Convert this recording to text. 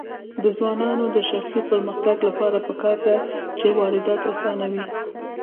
د ځوانانو د شخصي پرمختګ لپاره پکار ده چې واردات اسانوي.